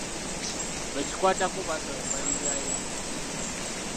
Bekikwatako basaba embalirira y'enguudo.